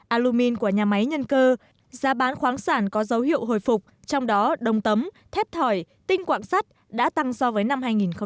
alumin của nhà máy nhân cơ giá bán khoáng sản có dấu hiệu hồi phục trong đó đông tấm thép thỏi tinh quạng sắt đã tăng so với năm hai nghìn một mươi